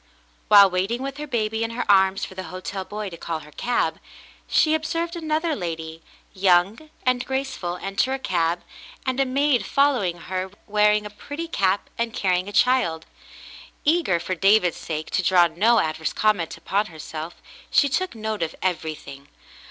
While waiting with her baby in her arms for the hotel boy to call her cab, she observed another lady, young and David's Ancestors 267 graceful, enter a cab, and a maid following her wearing a pretty cap> and carrying a child. Eager, for David's sake, to draw no adverse comment upon herself, she took note of everything.